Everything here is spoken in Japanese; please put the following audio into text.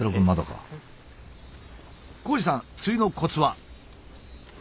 紘二さん釣りのコツは？